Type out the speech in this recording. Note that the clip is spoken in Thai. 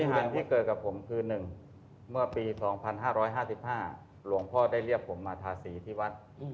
เงินที่เกิดกับผมคือ๑เมื่อปี๒๕๕๕หลวงพ่อได้เรียกผมมาทาสีที่วัด